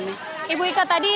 ibu ike tadi